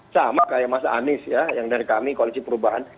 sama kayak mas anies ya yang dari kami koalisi perubahan